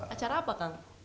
acara apa kang